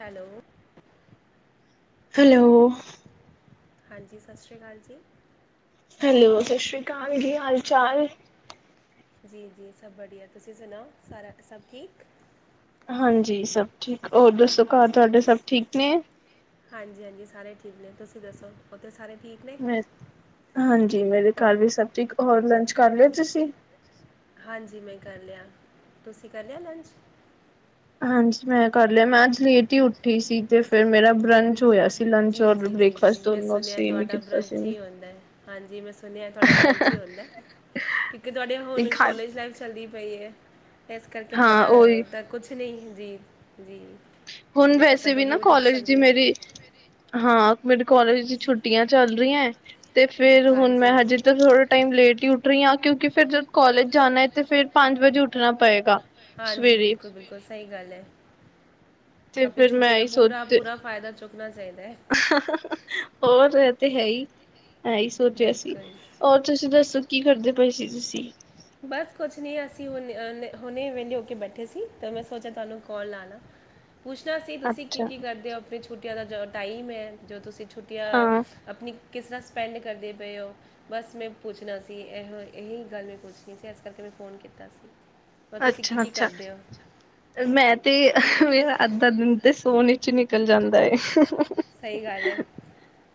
Hello hello ਹਾਂਜੀ, ਸਤਿ ਸ਼੍ਰੀ ਅਕਾਲ ਜੀ। ਹੈਲੋ, ਸਤਿ ਸ਼੍ਰੀ ਅਕਾਲ ਜੀ। ਕੀ ਹਾਲ -ਚਾਲ? ਜੀ- ਜੀ ਸਭ ਵਧੀਆ। ਤੁਸੀਂ ਸੁਣਾਓ ਸਾਰਾ ਸਭ ਠੀਕ ਹਾਂਜੀ ਸਭ ਠੀਕ, ਹੋਰ ਦੱਸੋ ਘਰ ਤੁਹਾਡੇ ਸਭ ਠੀਕ ਨੇ ਹਾਂਜੀ ਹਾਂਜੀ ਸਾਰੇ ਠੀਕ ਨੇ ਤੁਸੀਂ ਦੱਸੋ ਬਹੁਤੇ ਸਾਰੇ ਠੀਕ ਨੇ ਮ ਹਾਂਜੀ ਮੇਰੇ ਔਰ ਘਰ ਵੀ ਸਭ ਠੀਕ ਹੋਰ ਲੰਚ ਕਰ ਲਿਆ ਤੁਸੀਂ ਹਾਂਜੀ ਮੈਂ ਕਰ ਲਿਆ ਤੁਸੀਂ ਕਰ ਲਿਆ ਲੰਚ ਹਾਂਜੀ ਮੈਂ ਕਰ ਲਿਆ ਮੈਂ ਅੱਜ ਲੇਟ ਹੀ ਉੱਠੀ ਸੀ ਤੇ ਫਿਰ ਮੇਰਾ ਬਰੰਚ ਹੋਇਆ ਸੀ ਜੀ ਲੰਚ ਔਰ -ਜੀ, ਜੀ- ਜੀ ਬ੍ਰੇਕਫਾਸਟ ਮੈਂ ਦੋਨੋਂ ਸੁਣਿਆ ਸੇਮ ਹੀ ਤੁਹਾਡਾ ਕੀਤਾ ਸੀ ਬਰੰਚ ਮੈਂ ਹੀ ਹੁੰਦਾ ਹੈ ਹਾਂਜੀ ਮੈਂ ਸੁਣਿਆ ਤੁਹਾਡਾ ਬਰੰਚ ਹੀ ਹੁੰਦਾ, ਕਿਉਂਕਿ ਤੁਹਾਡੇ ਹੁਣ ਦਿਖਾ ਕੋਲਜ ਲਾਈਫ 'ਚ ਚੱਲਦੀ ਪਈ ਹੈ ਇਸ ਕਰਕੇ ਹਾਂ ਤੁਹਾਡਾ ਉਹੀ ਤਾਂ ਕੁਛ ਨਹੀਂ ਜੀ -ਜੀ ਹੁਣ ਤੁਸੀਂ ਵੈਸੇ ਕਦੋਂ ਵੀ ਨਾ, ਉੱਠ ਕਾਲਜ ਦੀ ਸਕਦੇ ਹੋ ਮੇਰੀ ਹਾਂ ਮੇਰੇ ਕਾਲਜ ਚ ਛੁੱਟੀਆਂ ਚੱਲ ਰਹੀਆਂ ਤੇ ਫਿਰ ਹੁਣ ਹਾਂਜੀ ਮੈਂ ਹਜੇ ਤਾਂ ਥੋੜ੍ਹਾ ਟਾਈਮ ਲੇਟ ਹੀ ਉੱਠ ਰਹੀ ਹਾਂ, ਕਿਉਂਕਿ ਫਿਰ ਜਦ ਕਾਲਜ ਜਾਣਾ ਹੈ ਤੇ ਫਿਰ ਪੰਜ ਵਜੇ ਉੱਠਣਾ ਪਏਗਾ ਹਾਂਜੀ, ਸਵੇਰੇ ਬਿਲਕੁਲ- ਬਿਲਕੁਲ ਸਹੀ ਗੱਲ ਹੈ। ਤੇ ਆਪਣੀ ਫਿਰ ਮੈਂ ਛੁੱਟੀਆਂ ਦਾ ਇਹੀ ਪੂਰਾ- ਸੋਚ ਪੂਰਾ ਫਾਇਦਾ ਚੁੱਕਣਾ ਚਾਹੀਦਾ ਹੈ ਹੋਰ ਤੇ ਹੈ ਹੀ ਐਹੀ ਸੋਚਿਆ ਸੀ। ਬਿਲਕੁਲ ਔਰ ਤੁਸੀਂ ਦੱਸੋ ਕੀ ਕਰਦੇ ਪਏ ਸੀ ਤੁਸੀਂ ਬਸ ਕੁਛ ਨਹੀ ਅਸੀਂ ਹੁ ਹੁਣੇ ਵੇਲੇ ਹੋ ਕੇ ਬੈਠੇ ਸੀ ਤੇ ਮੈਂ ਸੋਚਿਆ ਤੁਹਾਨੂੰ ਕਾਲ ਲਾਣਾ [unintelligible] ਪੁੱਛਣਾ ਸੀ ਤੁਸੀਂ ਕੀ ਅੱਛਾ ਕੀ ਕਰਦੇ ਓ ਆਪਣੀ ਛੁੱਟੀਆਂ ਦਾ ਜੋ ਟਾਈਮ ਐ ਜੋ ਤੁਸੀਂ ਛੁੱਟੀਆਂ ਹਾਂ ਆਪਣੀ ਕਿਸ ਤਰ੍ਹਾਂ ਸਪੈਂਡ ਕਰਦੇ ਪਏ ਹੋ ਬਸ ਮੈਂ ਪੁੱਛਣਾ ਸੀ ਇਹੋ ਇਹੀ ਗੱਲ ਮੈਂ ਪੁੱਛ ਨਹੀਂ ਸੀ ਇਸ ਕਰਕੇ ਮੈਂ ਫੋਨ ਕੀਤਾ ਸੀ ਬਸ ਤੁਸੀਂ ਕੀ ਅੱਛਾ ਕੀ ਅੱਛਾ ਕਰਦੇ ਹੋ ਮੈਂ ਤੇ ਮੇਰਾ ਅੱਧਾ ਦਿਨ ਤੇ ਸੋਨ ਵਿਚ ਨਿਕਲ ਜਾਂਦਾ ਸਹੀ ਗੱਲ ਹੈ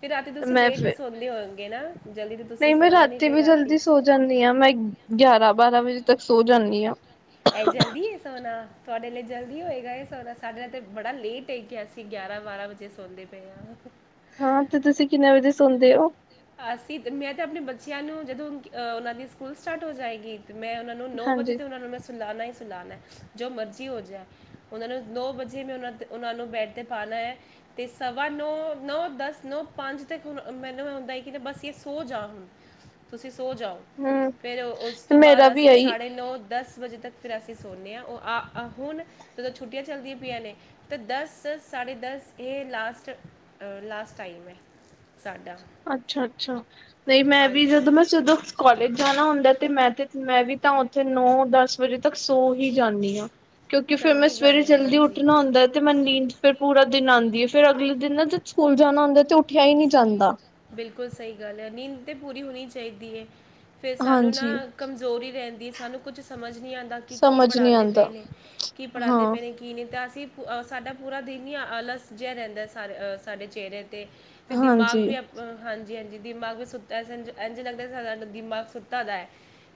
ਫਿਰ ਰਾਤੀ ਤੁਸੀਂ ਮੈਂ ਲੇਟ ਈ ਫਿਰ ਸੋਂਦੇ ਹੋਓਗੇ ਨਾ ਜਲਦੀ ਤੁਸੀਂ ਨਹੀਂ ਮੈਂ ਸੋਣਾ ਰਾਤੀ ਫਿਰ ਵੀ ਜਲਦੀ ਸੋ ਜਾਂਦੀ ਆਂ ਮੈਂ ਗਿਆਰਾਂ ਬਾਰਾਂ ਵਜੇ ਤੱਕ ਸੋ ਜਾਂਦੀ ਆਂ ਇਹ ਜਲਦੀ ਹੈ ਸੋਨਾ ਤੁਹਾਡੇ ਲਈ ਜਲਦੀ ਹੋਏਗਾ ਇਹ ਸੋਨਾ ਸਾਡੇ ਲਈ ਤੇ ਬੜਾ ਲੇਟ ਏ ਗਿਆ ਅਸੀਂ ਗਿਆਰਾਂ ਬਾਰਾਂ ਵਜੇ ਸੌਂਦੇ ਪਏ ਆਂ ਹਾਂ ਤੇ ਤੁਸੀਂ ਕਿੰਨੇ ਵਜੇ ਸੋਂਦੇ ਹੋ ਅਸੀਂ ਮੈਂ ਤਾਂ ਆਪਣੇ ਬੱਚਿਆਂ ਨੂੰ ਜਦੋਂ ਉਹਨਾਂ ਦੀ ਸਕੂਲ ਸਟਾਰਟ ਹੋ ਜਾਏਗੀ ਤੇ ਮੈਂ ਉਹਨਾਂ ਨੂੰ ਨੂੰ ਨੌ ਵਜੇ ਹਾਂਜੀ। ਤੋਂ ਉਹ ਨੂੰ ਮੈਂ ਸੁਲਾਉਣਾ ਹੀ ਸੁਲਾਉਣਾ ਜੋ ਮਰਜ਼ੀ ਹੋ ਜਾਏ ਉਹ ਨੂੰ ਦੋ ਵਜੇ ਮੈਂ ਉਹਨਾਂ ਤੇ ਉਹਨਾਂ ਨੂੰ ਬੈਡ ਤੇ ਪਾਣਾ ਏ ਤੇ ਸਵਾ ਨੌ ਨੌ ਦਸ ਨੌ ਪੰਜ ਤੱਕ ਹੁਣ ਮੈਨੂੰ ਹੁੰਦਾ ਠ ਬਸ ਇਹ ਸੋ ਜਾ ਹੁਣ ਤੁਸੀਂ ਸੋ ਜਾਓ ਹੂੰ ਫੇਿਰ ਉਸ ਤੋਂ ਮੇਰਾ ਬਾਅਦ ਵੀ ਅਸੀਂ ਇਹੀ ਸਾਢੇ ਨੌ ਦਸ ਵਜੇ ਤੱਕ ਫਿਰ ਅਸੀਂ ਸੌਂਨਦੇ ਹਾਂ ਉਹ ਆ ਹੁਣ ਜਦੋਂ ਛੁੱਟੀਆਂ ਚੱਲਦੀਆਂ ਪਈਆਂ ਨੇ ਤਾਂ ਦਸ ਸਾਡੇ ਦਸ ਇਹ ਲਾਸਟ ਲਾਸਟ ਟਾਈਮ ਏ ਸਾਡਾ ਅੱਛਾ ਅੱਛਾ ਨਹੀਂ ਤੇ ਮੈਂ ਵੀ ਹਾਂਜੀ। ਜਦੋਂ ਮੈਂ ਜਦੋਂ ਕਾਲਜ ਜਾਣਾ ਹੁੰਦਾ ਤੇ ਮੈਂ ਤੇ ਮੈਂ ਵੀ ਤਾਂ ਉੱਥੇ ਨੌ ਦਸ ਵਜੇ ਤੱਕ ਸੌ ਹੀ ਜਾਂਦੀ ਆਂ ਕਿਉਂਕਿ ਫੇਿਰ ਮੈਂ ਚੰਗੀ ਸਵੇਰੇ ਗੱਲ ਹੈ ਜਲਦੀ ਹਾਂਜੀ ਉੱਠਣਾ ਹੁੰਦਾ ਤੇ ਮੈਨੂ ਫਿਰ ਪੂਰਾ ਦਿਨ ਨੀਂਦ ਆਉਂਦੀ ਹੈ ਫੇਰ ਅਗਲੇ ਦਿਨ ਨਾ ਜਦ ਸਕੂਲ ਜਾਣਾ ਹੁੰਦਾ ਤੇ ਉੱਠਿਆ ਹੀ ਨਹੀਂ ਜਾਂਦਾ ਬਿਲਕੁਲ ਸਹੀ ਗੱਲ ਏ ਨੀਂਦ ਤਾਂ ਪੂਰੀ ਹੋਣੀ ਚਾਹੀਦੀ ਹੈ ਫਿਰ ਸਾਨੂੰ ਨਾ ਹਾਂਜੀ ਕਮਜ਼ੋਰੀ ਰਹਿੰਦੀ ਸਾਨੂੰ ਕੁਝ ਸਮਝ ਨਹੀਂ ਆਉਂਦਾ ਕਿ ਕੀ ਸਮਝ ਨਹੀਂ ਪੜ੍ਹਾਉਂਦੇ ਆਉਂਦਾ ਪਏ ਨੇ ਕੀ ਪੜ੍ਹਾਉਂਦੇ ਹਾਂ ਪਏ ਨੇ ਕੀ ਨਹੀਂ ਤਾਂ ਅਸੀਂ ਸਾਡਾ ਪੂਰਾ ਦਿਨ ਹੀ ਆਲਸ ਜਿਹਾ ਰਹਿੰਦਾ ਸਾਡੇ ਚਿਹਰੇ 'ਤੇ ਅਤੇ ਦਿਮਾਗ ਹਾਂਜੀ। ਵੀ ਆਪ ਹਾਂਜੀ ਹਾਂਜੀ ਦਿਮਾਗ ਵੀ ਸੁੱਤਾ ਇਝ ਲੱਗਦਾ ਦਿਮਾਗ ਸੁੱਤਾ ਦਾ ਹੈ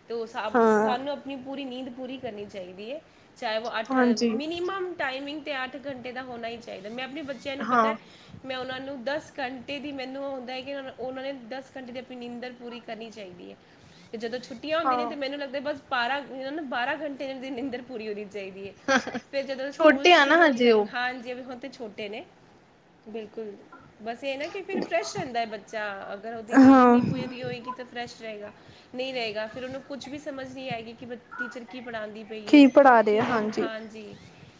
ਅਤੇ ਉਹ ਸ ਹਾਂ ਸਾਨੂੰ ਆਪਣੀ ਪੂਰੀ ਨੀਂਦ ਪੂਰੀ ਕਰਨੀ ਚਾਹੀਦੀ ਹੈ ਚਾਹੇ ਉਹ ਅੱਠ ਹਾਂਜੀ ਮਿਨੀਮਮ ਟਾਈਮਿੰਗ ਤੇ ਅੱਠ ਘੰਟੇ ਦਾ ਹੋਣਾ ਹੀ ਚਾਹੀਦਾ ਮੈਂ ਆਪਣੇ ਬੱਚਿਆਂ ਨੂੰ ਪਤਾ ਹਾਂ-ਹਾਂ ਮੈਂ ਉਹਨਾਂ ਨੂੰ ਦਸ ਘੰਟੇ ਦੀ ਮੈਨੂੰ ਹੈ ਕਿ ਉਹਨਾਂ ਨੇ ਦਸ ਘੰਟੇ ਦੀ ਆਪਣੀ ਨਿੰਂਦਰ ਪੂਰੀ ਕਰਨੀ ਚਾਹੀਦੀ ਹੈ ਤੇ ਜਦੋਂ ਛੁੱਟੀ ਟੁੀਆਂ ਹੁੰਦੀਆਂ ਨੇ ਅਤੇ ਮੈਨੂੰ ਲੱਗਦਾ ਬਸ ਬਾਰਾਂ ਇਹਨਾਂ ਨੂੰ ਬਾਰਾਂ ਘੰਟੇ ਇਹਨਾਂ ਦੀ ਨਿੰਦਰ ਪੂਰੀ ਹੋਣੀ ਚਾਹੀਦੀ ਹਏ। ਫ ਜਦੋਂ ਸਕੂਲ ਛੋਟੇ ਆ ਸ਼ੁਰੂ ਨਾ ਹੋ ਹਜੇ ਜਾਣ ਉਹ। ਹਾਂ ਜਿਵੇ ਛੋਟੇ ਨੇ ਬਿਲਕੁਲ ਬਸ ਇਹ ਨਾ ਕਿ ਫਿਰ ਫਰੈਸ਼ ਬੱਚਾ ਅਗਰ ਉਹਦੀ ਨੀਂਦ ਹਾਂ। ਨਹੀਂ ਪੂਜਰੀ ਹੋਏਗੀ ਤਾਂ ਫਰੈਸ਼ ਰਹੇਗਾ। ਨਹੀਂ ਰਹੇਗਾ ਫਿਰ ਉਹਨੂੰ ਕੁੱਝ ਵੀ ਸਮਝ ਨਹੀਂ ਆਏਗੀ ਕਿ ਟੀਚਰ ਕੀ ਪੜ੍ਹਾਉਂਦੀ। ਬਈਏ ਕੀ ਪੜ੍ਹਾ ਰਹੇ ਕਿ ਆ ਨਹੀਂ ਹਾਂਜੀ।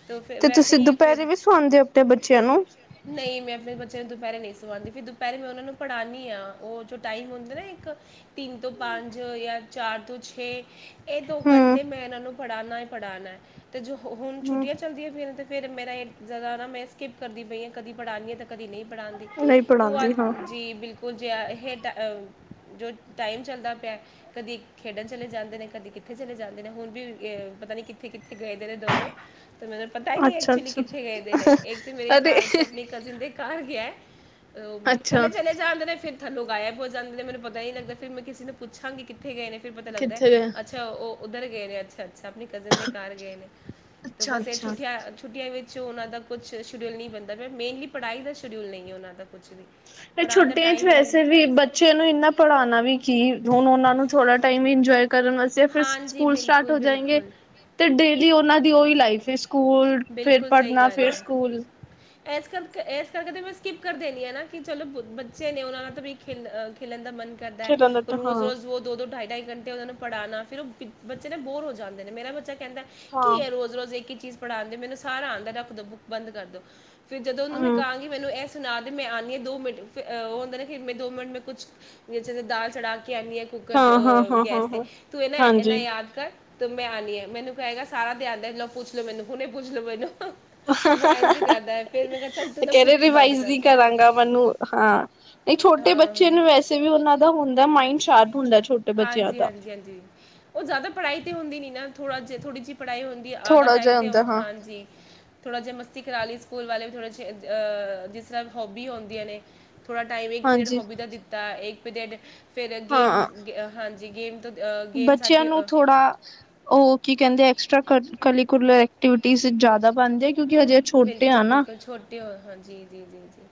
ਤਾਂ ਫਿਰ ਤੇ ਤੁਸੀਂ ਵੈਸੇ ਹੀ ਦੁਪਹਿਰੇ ਵੀ ਸਵਾਉਂਦੇ ਹੋ ਆਪਣੇ ਬੱਚਿਆਂ ਨੂੰ? ਨਹੀਂ ਮੈਂ ਆਪਣੇ ਬੱਚਿਆਂ ਨੂੰ ਦੁਪਹਿਰੇ ਨਹੀਂ ਸੁਲਾਨਦੀ ਫਿਰ ਪਹਿਲੇ ਮੈਂ ਉਹਨਾਂ ਨੂੰ ਪੜ੍ਹਾਉਂਦੀ ਹਾਂ ਉਹ ਜੋ ਟਾਈਮ ਹੁੰਦਾ ਨਾ ਇੱਕ ਤਿੰਨ ਤੋਂ ਪੰਜ ਜਾਂ ਚਾਰ ਤੋਂ ਛੇ ਇਹ ਦੋ ਹਮ ਘੰਟੇ ਮੈਂ ਇਹਨਾਂ ਨੂੰ ਪੜ੍ਹਾਉਣਾ ਈ ਪੜ੍ਹਾਉਣਾ। ਅਤੇ ਜੋ ਹੁਣ ਹਮ ਛੁੱਟੀਆਂ ਚੱਲਦੀਆਂ ਪਾਈਆਂ ਤਾਂ ਫਿਰ ਮੇਰਾ ਇਹ ਜ਼ਿਆਦਾ ਨਾ ਮੈਂ ਸਕਿੱਪ ਕਰਦੀ ਪਈ ਹਾਂ ਕਦੀ ਪੜਾਉਂਦੀਾਂ ਅਤੇ ਕਦੀ ਨਹੀਂ ਪੜ੍ਹਾਉਂਦੀ ਨਹੀਂ ਤੂੰ ਪੜ੍ਹਾਉਂਦੀ ਅੱਜ ਹਾਂ ਜੀ ਬਿਲਕੁਲ ਜੇ ਇਹ ਜੋ ਟਾਈਮ ਚੱਲਦਾ ਪਿਆ ਕਦੀ ਖੇਡਣ ਚਲੇ ਜਾਂਦੇ ਨੇ ਕਦੀ ਕਿੱਥੇ ਚਲੇ ਜਾਂਦੇ ਨੇ ਹੁਣ ਵੀ ਅ ਪਤਾ ਨੀ ਕਿੱਥੇ ਕਿੱਥੇ ਗਏ ਦੇ ਨੇ ਦੋਨੋ ਤੇ ਮੈਨੂੰ ਪਤਾ ਹੀ ਨਹੀਂ ਅੱਛਾ ਐਕਚੁਲੀ ਅੱਛਾ ਕਿੱਥੇ ਗਏਦੇ ਨੇ ਇੱਕ ਤਾਂ ਮੇਰੇ ਅਰੇ ਖਿਆਲ ਚ ਆਪਣੀ ਕਜ਼ਿਨ ਦੇ ਘਰ ਗਿਆ। ਅ ਅੱਛਾ ਥੱਲੇ ਚੱਲੇ ਜਾਂਦੇ ਨੇ ਫਿਰਥੱਲੋ ਗਾਇਬ ਹੁ ਜਾਂਦੇ ਨੇੈ ਮੈਨੂੰ ਪਤਾ ਨ ਲੱਗਦਾ ਫਿਰ ਮੈਂ ਪੁੱਛਾਂਗੀ ਕਿੱਥੇ ਗਏ ਨੇ। ਫਿਰ ਪਤਾ ਲੱਗਦਾ ਹੈ ਕਿੱਥੇ ਗਏ ਅੱਛਾ ਉਹ ਉੱਧਰ ਗਏ ਨੇ ਅੱਛਾ। ਅੱਛ ਆਪਣੀ ਕਜ਼ਨ ਦੇ ਘਰ ਗਏ ਨੇ ਤੇ ਅੱਛਾ ਬਸ ਇਹ ਅੱਛਾ ਛੁੱਟੀਆਂ ਛੁੱਟੀਆਂ ਵਿੱਚ ਵਿੱਚ ਉਹਨਾਂ ਦਾ ਕੁਛ ਸ਼ਡਿਊਲ ਨਹੀਂ ਬਣਦਾ ਮ ਮੇਨਲੀ ਪੜ੍ਹਾਈ ਦਾ ਸ਼ਡਿਊਲ ਨਹੀਂ ਉਹਨਾਂ ਦਾ ਕੁਛ ਵੀ। ਫ ਪੜ੍ਹਾਉਣ ਦਾ ਛੁੱਟੀਆਂ ਚ ਟਾਈਮ ਹੀ ਨਹੀਂ ਵੈਸੇ ਵੀ ਬੱਚਿਆਂ ਨੂੰ ਇੰਨਾ ਪੜ੍ਹਾਉਣਾ ਵੀ ਕੀ ਹੁਣ ਉਹਨਾਂ ਨੂੰ ਥੋੜਾ ਟਾਈਮ ਇੰਜੋਏ ਕਰਨ ਵਾਸਤੇ ੇ ਫਿਰ ਹਾਂਜੀ ਸਕੂਲ ਸਟਾਰਟ ਬਿਲਕੁਲ ਹੋ ਜਾਏਗੇ ਬਿਲਕੁਲ ਤੇ ਡੇਲੀ ਉਹਨਾਂ ਦੀ ਉਓਹੀ ਲਾਈਫ ਸਕੂਲ ਫਿਰ ਬਿਲਕੁਲ ਸਹੀ ਪੜ੍ਹਨਾ ਗੱਲ ਫਿਰ ਹੈ ਸਕੂਲ। ਇਸ ਕਰਕੇ ਇਸ ਕਰਕੇ ਤਾਂ ਮੈਂ ਸਕਿੱਪ ਕਰ ਦੇਣੀ ਹ ਨਾ ਕਿ ਚਲੋ ਬ ਬੱਚੇ ਨੇ ਉਹ ਨਾਲ ਤਾਂ ਵੀ ਖੇ ਖੇਲਣ ਦਾ ਮਨ ਕਰਦਾ ਹੈ ਹਾਂ ਰੋਜ਼ ਰੋਜ਼ ਹਾਂ ਵੋ ਦੋਢਾਈ ਢਾਈ ਘੰਟੇ ਉਹਨਾਂ ਨੂੰ ਪੜ੍ਹਾਣਾ ਫਿਰ ਉਹ ਬੱਚੇ ਨੇ ਬੋਰ ਹੋ ਜਾਂਦੇ ਨੇ ਮੇਰਾ ਬੱਚਾ ਕਹਿੰਦਾ ਕੀ ਰੋਜ਼ ਰੋਜ਼ ਇੱਕ ਹੀ ਚੀਜ਼ ਪੜ੍ਹਾਉਣਦੇ ਮਨੂੰ ਸਾਰਾ ਆਂਦਾ ਰੱਖ ਦੋ ਬੁੱਕ ਬੰਦ ਕਰਦੋ ਫਰ ਜਦੋਂ ਉਹਨੂ ਮੈ ਹਮ ਕਹਾਂਗੀ ਮੈਨੂੰ ਇਹ ਸੁਣਾ ਦੇ ਮੈਂ ਆਂਦੀ ਹਾਂ ਦੋ ਮਿੰਟ ਉਹ ਹੁੰਦਾ ਨਾ ਦੋ ਮਿੰਟ ਮੈਂ ਕੁਛ ਜਦੋਂ ਦਾਲ ਚੜਾ ਕੇ ਆਉਂਨੀ ਆ ਕੁੱਕਰ ਤੇ ਹਾਂ ਹਾਂ ਅਹ ਹਾਂ ਹਾਂ ਗੈਸ ਤੇ ਹਾਂ ਤੂੰ ਇਹ ਨਾ ਇਨਾ ਹਾਂਜੀ ਯਾਦ ਕਰ। ਤੇ ਮੈਂ ਆਂਨੀ ਹਾਂ ਮੈਨੂੰ ਕਹਿਗਾ ਸਾਰਾ ਤੇ ਆਂਦਾ ਹੈ ਉਹ ਪੁੱਛ ਲੋੋ ਮੈਨੂੰ ਹੁਣੇ ਪੁੱਛ ਲੋ ਮੈਨੂੰ। ਵ ਇਂਝ ਕਰਦਾ ਫੇਿਰ ਮੈਂ ਕਿਹਾ ਚੱਲ ਤੂੰ ਤੇ ਨਾ ਕਹਿ ਰਹੇ ਬੁੱਕ ਹੀ ਬਦ ਰਿਵਾਈਜ਼ ਕਰ ਨਹੀਂ ਦੇ। ਮੈਨੂੰ ਹਾਂ ਨਹੀਂ ਛੋਟੇ ਬੱਚੇ ਹਾਂ ਨੂੰ ਵੈਸੇ ਵੀ ਉਹਨਾਂ ਦਾ ਹੁੰਦਾ ਮਾਇੰਡ ਸ਼ਾਰਪ ਹੁੰਦਾ ਛੋ ਹਾਂਜੀ ਹਾਂਜੀ ਹਾਂਜੀ ਉਹ ਜ਼ਿਆਦਾ ਪੜ੍ਹਾਈ ਤੇ ਹੁੰਦੀ ਨੀ ਨਾ ਥੋੜਾ ਜਿਹਾ ਥੋੜ੍ਹੀ ਜਿਹੀ ਪੜ੍ਹਾਈ ਹੁੰਦੀ ਵੀ ਆਦਾ ਥੋੜਾ ਟਾਈਮ ਜਿਹਾ 'ਤੇ ਹੁੰਦਾ ਹਾਂ ਹਾਂਜੀ। ਥੋ੍ਹਾ ਜਿਹਾ ਮਸਤੀ ਕਰਾ ਲਈ ਸਕੂਲ ਵਾਲੇ ਵੀ ਥੋੜ੍ਹਾ ਜਹੇ ਜਿਸ ਤਰ੍ਹਾਂ ਹੌਬੀ ਆਹੁੰਦੀਆਂ ਨੇ ਥੋੜ੍ਹਾ ਟਾਈਮ ਇੱਕ ਪੀਰੀਅਡ ਹਾਂਜੀ ਹੋਬੀ ਦਾ ਦਿੱਤਾ ਇੱਕ ਪੀਰੀਅਡ ਫਿਰ ਗੇਮ ਹਾਂ ਹਾਂਜੀ ਗੇਮ ਤੋਂ ਗੇਮ ਬੱਚਿਆਂ ਸਾਡੀ ਨੂੰ ਅਹ, ਥੋੜ੍ਹਾ ਉਹ ਕੀ ਕਹਿੰਦੇ ਐਕਸਟਰਾ ਕਰੀਕੂਲਰ ਐਕਟੀਵਿਟੀਜ਼ ਜ਼ਿਆਦਾ ਬਣਦੇ ਆ ਕਿਉਂਕਿ ਹਜੇ ਛੋਟੇ ਬਿਲਕੁਲ ਆ ਨਾ ਬਿਲਕੁਲ ਛੋਟੇ ਹੋ ਹਾਂ ਜੀ ਜੀ ਜੀ ਜੀ।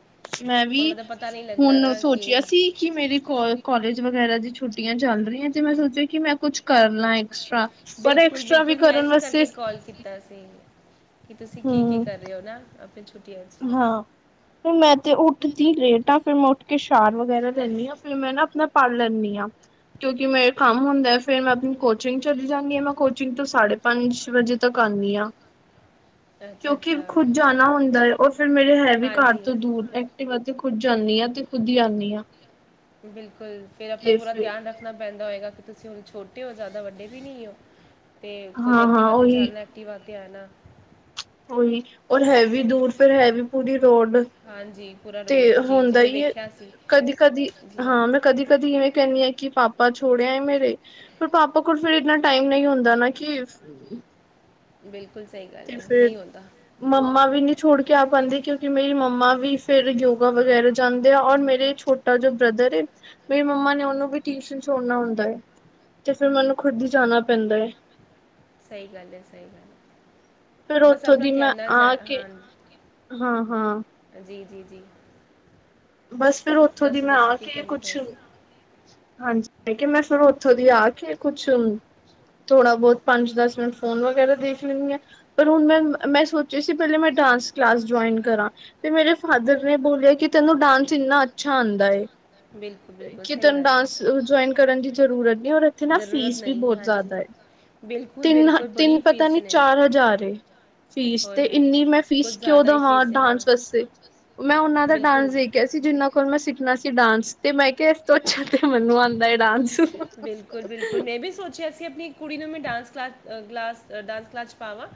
ਮੈਂ ਵੀ ਉਹਨਾਂ ਦਾ ਪਤਾ ਨਹੀਂ ਲੱਗਦਾ ਹੁਣ ਨਾ ਸੋਚਿਆ ਕਿ ਸੀ ਕਿ ਮੇਰੇ ਕੋਲ ਕਾਲਜ ਵਗੈਰਾ ਦੀ ਛੁੱਟੀਆਂ ਚੱਲ ਰਹੀ ਤੇ ਮੈਂ ਸੋਚਿਆ ਕਿ ਮੈਂ ਕੁਛ ਕਰ ਲਾਂ ਐਕਸਟਰਾ। ਪਰ ਬਿਲਕੁਲ ਐਕਸਟਰਾ ਵੀ ਬਿਲਕੁਲ ਮੈਂ ਕਰਨ ਇਸੇ ਵਾਸਤੇ ਕਰਕੇ ਕਾਲ ਕੀਤਾ ਸੀ ਕਿ ਤੁਸੀਂ ਕੀ ਕੀ ਹਮ ਕਰ। ਗਯੋ ਨਾ ਆਪਣੇ ਛੁਟੀਆਂ। ਹਾਂ ਫ ਮੈਂ ਤੇ ਉੱਠਦੀ ਰੇਟ ਆ ਫਿਰ ਮੈਂ ਉੱਠ ਕੇ ਸ਼ਾਰ ਵਗੈਰਾ ਲੈਂਦੀ ਹਾਂ। ਫ ਮੈਂ ਨਾ ਆਪਣਾ ਪੜ ਲੈਂਦੀ ਹਾਂ। ਕਿਉਂਕਿ ਮੇਰੇ ਕੰਮ ਹੁੰਦਾ ਹੈ ਫਿਰ ਮੈਂ ਆਪਣੀ ਕੋਚਿੰਗ ਚਲੀ ਜਾਂਦੀ ਹਾਂ ਮੈਂ ਕੋਚਿੰਗ ਤੋਂ ਸਾਡੇ ਪੰਜ ਵਜੇ ਤੱਕ ਆਉਂਦੀ ਹਾਂ ਅੱਛਾ ਕਿਉਂਕਿ ਅੱਛਾ ਖੁੱਦ ਜਾਣਾ ਹੁੰਦਾ ਹੈ। ਉਹ ਫਿਰ ਮੇਰੇ ਹੈ ਵੀ ਘਰ ਹਾਂਜੀ ਤੋਂ ਦੂਰ ਐਕਟਿਵ ਆ ਤੇ ਖੁਦ ਜਾਂਦੀ ਆਾਂ ਤੇ ਖੁਦ ਹੀ ਆਉਂਦੀ ਹਾਂ ਬਿਲਕੁਲ ਫੇਿਰ ਆਪਣਾ ਤੇ ਪੂਰਾ ਫਿਰ ਧਿਆਨ ਰੱਖ ਪੈਂਦਾ ਹੋਏਗਾ ਕਿ ਤੁਸੀਂ ਹੁਣ ਛੋਟੇ ਹੋ ਜ਼ਿਆਦਾ ਵੱਡੇ ਵੀ ਨਹੀਂ ਹੋ ਤੇ ਖੁਦ ਹਾਂ ਐਕਟੀ ਹਾਂ ਵਤੇ ਉਹੀ ਜਾਣਨਾ ਟੀ ਵਾ ਕੇ ਆ ਨਾ ਉਹੀ, ਔਰ ਹੈ ਵੀ ਦੂਰ, ਫਿਰ ਹੈ ਵੀ ਪੂਰੀ ਰੋਡ। ਹਾਂਜੀ ਪੂਰਾ ਤੇ ਰੋਡ ਜੀ ਜੀ ਹੋਂਦਾ ਮੈਂ ਈਏ, ਵੇਖਿਆ ਸੀ ਕਦੀ-ਕਦੀ ਜੀ ਹਾਂ, ਮੈਂ ਕਦੀ-ਕਦੀ ਇਵੇਂ ਕਹਿੰਨੀ ਆ ਕਿ, ਪਾਪਾ ਛੋੜਿਆਏ ਮੇਰੇ ਪਰ ਆਪਾ ਕੋਲ ਫਿਰ ਇੰਨਾ ਟਾਈਮ ਨਹੀਂ ਹੁੰਦਾ ਨਾ ਕਿ ਬਿਲਕੁਲ ਸਹੀ ਗੱਲ ਤੇ ਹੈ ਫਿਰ ਨਹੀਂ ਹੋਂਦਾ ਮੰਮਾ ਵੀ ਨਹੀਂ ਛੋੜ ਕੇ ਆ ਪਾਉਂਦੇ ਕਿਉਂਕਿ ਮੇਰੀ ਮੰਮਾ ਵੀ ਫੇਿਰ ਯੋਗਾ ਵਗੈਰਾ ਜਾਂਦੇ ਆ ਔਰ ਮੇਰੇ ਛੋਟ ਜੋ ਬ੍ਰਦਰ ਮੇਰੀ ਮੰਮਾ ਨੇ ਉਹਨੂੰ ਵੀ ਟਿਊਸ਼ਨ ਛੜਨਾ ਹੁੰਦਾ ਹੈ ਤੇ ਫੇਿਰ ਮੈਨੂੰ ਖੁਦ ਹੀ ਜਾਣਾ ਪੈਂਦਾ ਹੈ। ਸਹੀ ਗੱਲ ਹੈ ਸਹੀ ਗੱਲ ਹੈ। ਫਿਰ ਬਸ ਉੱਥੋਂ ਆਪਣਾ ਦੀ ਮੈਂ ਧਿਆਨ ਨਾਲ ਜਾ ਆ ਕੇ ਹਾਂ ਹਾਂ ਹਾਂ। ਜੀ ਜੀ ਜੀ। ਬਸ ਫੇਿਰ ਉੱਥੋਂ ਦੀ ਦੱਸੋ ਮੈਂ ਦੱਸੋ ਆ ਕੀ ਕੇ ਕਹਿੰਦੇ ਪਏ ਕੁਛ ਸੀ ਹਾਂਜੀ ਕਿ ਮੈਂ ਫਿਰ ਉੱਥੋਂ ਦੀ ਆ ਕੇ ਕੁਛ ਥੋੜਾ-ਬਹੁਤ, ਪੰਜ-ਦਸ ਮਿੰਟ ਫੋਨ ਵਗੈਰਾ ਦੇਖ ਲੈਂਨੀ ਆ। ਪਰ ਹੁਣ ਮੈਂ, ''ਮੈਂ ਸੋਚਿਆ ਸੀ, ਪਹਿਲੇ ਮੈਂ ਡਾਂਸ ਕਲਾਸ ਜੁਆਇਨ ਕਰਾਂ। ਫਿਰ ਮੇਰੇ ਫਾਦਰ ਨੇ ਬੋਲਿਆ ਕਿ, ਤੈਨੂੰ ਡਾਂਸ ਇੰਨਾ ਅੱਛਾ ਆਂਦਾ ਏ। ਬਿਲਕੁਲ-ਬਿਲਕੁਲ ਕਿ ਸਹੀ ਤੈਨੂੰ ਗੱਲ ਏ। ਡਾਂਸ ਜੁਆਇਨ ਕਰਨ ਦੀ ਜ਼ਰੂਰਤ ਨੀ ਔਰ ਇੱਥੇ ਨਾ ਜ਼ਰੂਰਤ ਫੀਸ ਵੀ ਨਹੀਂ ਹੈ, ਬਹੁਤ ਹਾਂਜੀ ਜ਼ਿਆਦਾ ਏ, ਬਿਲਕੁਲ ਬਿਲਕੁਲ ਬੜੀ ਤਿੰਨ-ਤਿੰਨ ਪਤਾ ਫੀਸ ਨੀ, ਨੇ ਚਾਰ-ਹਜ਼ਾਰ ਏ। ਫੀਸ ਹੋਏ ਤੇ, ਹੋਏ ਇੰਨੀ ਮੈਂ ਕੁਝ ਫੀਸ ਕਿਉਂ ਜ਼ਿਆਦਾ ਹੀ ਦੇਵਾਂ ਫੀਸ ਹੈ ਹਾਂ ਡਾਂਸ ਵਾਸਤੇ, ਮੈਂ ਉਹਨਾਂ ਦਾ ਡਾਂਸ ਦੇਖ ਕਿਆ ਸੀ ਜਿਨਾਂ ਕੋਲ ਮੈਂ ਸਿੱਖਣਾ ਸੀ ਡਾਂਸ, ਤੇ ਮੈਂ ਕਿਹਾ ਇਸ ਤੋਂ ਅੱਛਾ ਤੇ ਮੈਨੂੰ ਆਉਂਦਾ ਹੈ ਡਾਂਸ। ਬਿਲਕੁਲ-ਬਿਲਕੁਲ, ਮੈਂ ਵੀ ਸੋਚਿਆ ਸੀ ਆਪਣੀ ਇੱਕ ਕੁੜੀ ਨੂੰ ਮੈਂ dance class, glass, dance class 'ਚ ਪਾਵਾਂ।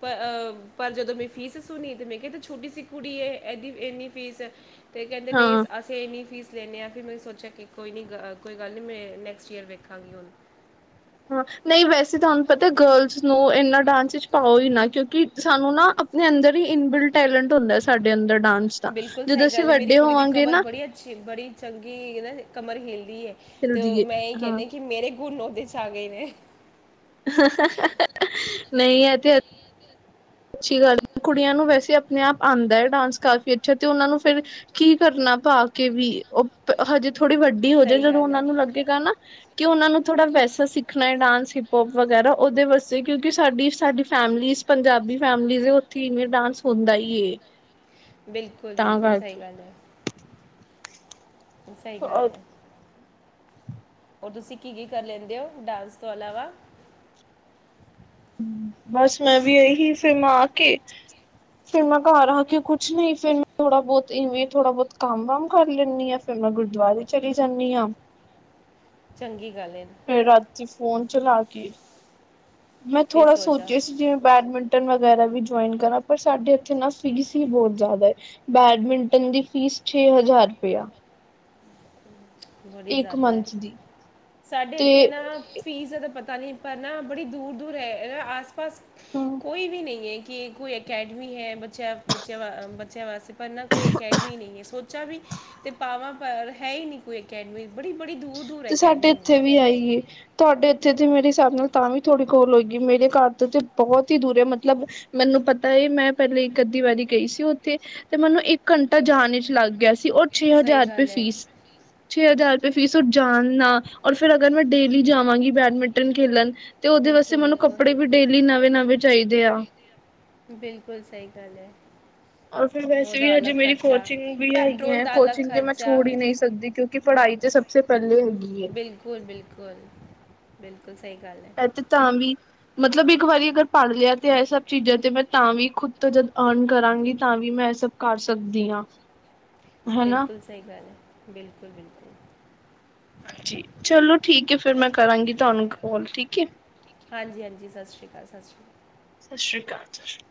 ਪ ਅ, ਪਰ ਜਦੋਂ ਮੈਂ ਫੀਸ ਸੁਣੀ ਤੇ, ਮੈਂ ਕਿਹਾ ਤੇ ਛੋਟੀ ਸੀ ਕੁੜੀ ਏ ਇਹਦੀ ਇੰਨੀ ਫੀਸ। ਅਤੇ ਕਹਿੰਦੇ ਹਾਂ ਨਹੀਂ, ਅਸੀਂ ਇਹੰਨੀ ਫੀਸ ਲੇਨੇ ਆਂ, ਫਿਰ ਮੈਂ ਸੋਚਿਆ ਕਿ ਕੋਈ ਨਹੀਂ, ਕੋਈ ਗੱਲ ਨਹੀਂ, ਮੈਂ ਨੈਕਸਟ ਈਅਰ ਵੇਖਾਂਗੀ ਹੁਣ। ਹਾਂ, ਨਹੀਂ ਵੈਸੇ ਤਾ ਹੁਨ ਪਤਾ ਗਰਲਸ ਨੋਂ ਇਨਾ ਡਾਂਸ ਵਿੱਚ ਪਾਓ ਹੀ ਨਾ ਕਿਉਂਕਿ, ਸਾਨੂੰ ਨਾ ਆਪਣੇ ਅੰਦਰ ਹੀ ਇਨਬਿਲਡ ਟੈਲੈਂਟ ਹੁੰਦਾ ਸਾਡੇ ਅੰਦਰ ਡਾਂਸ ਦਾ। ਬਿਲਕੁਲ ਜਦੋਂ ਸਹੀ ਅਸੀਂ ਗੱਲ ਹੈ ਮੇਰੀ ਵੱਡੇ ਕੁੜੀ ਦੀ ਹੋਵਾਂਗੇ ਕਮਰ ਨਾ ਬੜੀ ਬੜੀ ਚੰਗੀ ਨਾ ਕਮਰ ਹਿਲਦੀ ਏ, ਤੇ ਹਿਲਦੀ ਓਹ ਏ ਮੈਂ ਇਹੀ ਹਾਂ ਕਹਿਨੇ ਕੀ ਮੇਰੇ ਹੁਨ ਉਹਦੇ'ਚ ਆ ਗਏ ਨੇ। ਨਹੀਂ ਐ, ਤੇ ਅੱਛੀ ਗੱਲ, ਕੁੜੀਆਂ ਨੂੰ ਵੈਸੇ ਅਪਣੇ-ਆਪ ਆਂਦਾ ਏ ਡਾਂਸ ਕਾਫ਼ੀ ਅੱਛਾ, ਤੇ ਉਹਨਾਂ ਨੂੰ ਫਿਰ ਕੀ ਕਰਨਾ ਪਾਕੇ ਵੀ, ਉਹ ਹਜੇ ਥੋੜ੍ਹੀ ਵੱਡੀ ਹੋਜੇ, ਸਹੀ ਜਦੋਂ ਗੱਲ ਉਹਨਾਂ ਹੈ ਨੂੰ ਲੱਗੇਗਾ ਨਾ ਕਿ ਉਹਨਾਂ ਨੂੰ ਥੋੜ੍ਹਾ ਵੈਸਾ ਸਿੱਖਣਾ ਹੈ ਡਾਂਸ ਹਿਪ-ਹੌਪ ਵਗੈਰਾ ਉਹਦੇ ਵਾਸਤੇ, ਕਿਉਂਕਿ ਸਾਡੀ, ਸਾਡੀ ਫੈਮਲੀਜ਼ ਪੰਜਾਬੀ ਫੈਮਲੀਜ ਉੱਥੇ ਈਂਵੇ ਡਾਂਸ ਹੁੰਦਾ ਹੀਏ ਬਿਲਕੁਲ-ਬਿਲਕੁਲ ਸਹੀ ਗੱਲ ਐ। ਸਹੀ ਗੱਲ ਐ। ਔਰ ਤੁਸੀਂ ਕੀ-ਕੀ ਕਰ ਲੈਂਦੇ ਹੋ? ਡਾਂਸ ਤੋਂ ਇਲਾਵਾ ਹ ਬਸ ਮੈਂ ਵੀ ਇਹੀ, ਫਿਰ ਮੈਂ ਆਕੇ ਫਿਰ ਮੈਂ ਘਰ ਆਕੇ ਕੁੱਛ ਨਹੀਂ, ਫਿਰ ਮੈਂ ਥੋੜਾ-ਬਹੁਤ ਇਵੇਂ ਥੋੜਾ-ਬਹੁਤ, ਕੰਮ-ਵਮ ਕਰ ਲੈਂਨੀ ਆਂ। ਫਿਰ, ਮੈਂ ਗੁਰਦੁਆਰੇ ਚਲੀ ਜਾਂਨੀ ਆ। ਚੰਗੀ ਗੱਲ ਏ। ਰਾਤੀ ਫੋਨ ਚਲਾਕੇ, ਮੈਂ ਫਿਰ ਥੋੜਾ ਸੋਚਾ ਸੋਚਿਆ ਸੀ ਜਿਵੇਂ ਬੈਡਮਿੰਟ ਗੈਰਾ ਵੀ ਜੁਆਇਨ ਕਰਾਂ, ਪਰ ਸਾਡੇ ਇਥੇ ਨਾ ਫੀਸ ਈ ਬਹੁਤ ਜ਼ਿਆਦਾ ਏ। ਬੈਡਮਿੰਟਨ ਦੀ ਫੀਸ ਛੇ ਹਜ਼ਾਰ ਰੁਪਇਆ। ਬੜੀ ਇੱਕ ਜ਼ਿਆਦਾ ਐ, ਮੰਥ ਦੀ ਸਾਡੇ ਤੇ ਇੱਥੇ ਨਾ ਫੀਸ ਦਾ ਤਾਂ ਪਤਾ ਨਹੀਂ, ਪਰ ਨਾ ਬੜੀ ਦੂਰ-ਦੂਰ ਐ, ਆਸ ਪਸ ਕੋਈ ਵੀ ਨਹੀਂ ਏ, ਕਿ ਕੋਈ ਐਕ ਅਕੈਡਮੀ ਹੈ, ਬੱਚਿਆਂ, ਬੱਚਿਆਂ, ਬੱਚਿਆਂ ਵਾਸਤੇ ਪਰ ਨਾ ਕੋਈ ਅਕੈਡਮੀ ਨਹੀਂ ਏ, ਸੋਚਾ ਵੀ ਤੇ [unintelligible] ਹੈ ਹੀ ਨਹੀਂ ਕੋਈ ਅਕੈਡਮੀ ਬੜੀ ਬੜੀ ਦੂਰ ਦੂਰ ਤੇ ਸਾਡੇ ਅਕੈਡਮੀ ਹੈ ਇੱਥੇ ਵੀ ਆਈ ਏ। ਤੁਹਾਡੇ ਇੱਥੇ ਤੇ ਮੇਰੇ ਹਿਸਾਬ ਨਾਲ ਤਾਂ ਵੀ ਥੋੜੀ ਕੋਲ ਹੋਈਗੀ, ਮੇਰੇ ਘਰ ਤੇ ਤੇ ਬਹੁਤ ਹੀ ਦੂਰ ਹੈ, ਮਤਲਬ ਮੈਨੂੰ ਪਤਾ ਹੈ, ਮਤਲਬ ਮੈਂ ਪਹਿਲੇ ਇੱਕ-ਅੱਧੀ ਵਾਰੀ ਗਈ ਸੀ ਉੱਥੇ, ਤੇ ਮਨੂੰ ਇੱਕ ਘੰਟਾ ਜਾਣ ਵਿਚ ਲੱਗ ਗਿਆ ਸੀ। ਛੇ ਸੀ ਸਹੀ ਹਜ਼ਾਰ ਰੁਪਏ ਗੱਲ ਹੈ ਘਰ ਫੀਸ, ਛੇ ਹਜ਼ਾਰ ਰੁਪਏ ਫੀਸ। ਉਹ ਜਾਣਨਾ ਔਰ ਫਿਰ ਅਗਰ ਮੈਂ ਡੇਲੀ ਜਾਵਾਂਗੀ ਬੈਡਮਿੰਟਨ ਖੇਲਣ, ਤੇ ਉਹਦੇ ਵਾਸਤੇ ਬਿਲਕੁਲ ਮਨੂੰ ਬਿਲਕੁਲ ਕੱਪੜੇ ਵੀ ਡੇਲੀ ਨਵੇਂ-ਨਵੇਂ ਚਾਹੀਦੇ ਆ। ਬਿਲਕੁਲ ਸਹੀ ਗੱਲ ਐ। ਔਰ ਫਿਰ ਵੈਸੇ ਵੀ ਹਜੇ ਮੇਰੀ ਕੋਚਿੰਗ ਵੀ ਪੈਟਰੋਲ ਹੈਗੀਆਂ, ਦਾ ਅਲੱਗ ਕੋਚਿੰਗ ਤੇ ਮੈਂ ਖਰਚਾ ਛੋੜ ਹੀ ਨਹੀਂ ਸਕਦੀ ਕਿਉਂਕਿ ਪੜ੍ਹਾਈ'ਚ ਸਭਸੇ ਪਹਿਲੇ ਹੋਗੀ। ਬਿਲਕੁਲ ਬਿਲਕੁਲ ਬਿਲਕੁਲ ਸਹੀ ਗੱਲ ਹੈ ਤੇ ਤਾਂ ਵੀ ਮਤਲਬ ਇੱਕ ਵਾਰੀ ਅਗਰ ਪੜ੍ਹ ਲਿਆ ਤੇ ਸਭ ਚੀਜ਼ਾਂ ਤੇ ਮੈਂ ਤਾਂ ਵੀ ਖੁਦ ਤੋਂ ਜਦ ਅਰਨ ਕਰਾਂਗੀ ਤਾਂ ਵੀ ਮੈਂ ਇਹ ਸਭ ਕਰ ਸਕਦੀ ਆ। ਬਿਲਕੁਲ ਸਹੀ ਗੱਲ ਏ ਬਿਲਕੁਲ, ਬਿਲਕੁਲ। ਜੀ ਚਲੋ ਠੀਕ ਹੈ। ਫੇਰ ਮੈਂ ਕਰਾਂਗੀ ਤੁਹਾਨੂੰ ਕਲ ਠੀਕ ਹੈ ਹਾਂਜੀ, ਹਾਂਜੀ ਜ ਸਤਿ ਸ਼੍ਰ ਅਕਾਲ ਤਿ ਸ਼੍ਰ ਅਕਾਲ ਸਤਿ੍ਰੀ ਅਕਾਲਤਿ ਸ਼੍ਰ ਅਕਾਲ